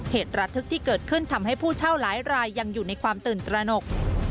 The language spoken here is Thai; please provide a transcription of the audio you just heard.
เหตุระทึกที่เกิดขึ้นทำให้ผู้เช่าหลายรายยังอยู่ในความตื่นตระหนก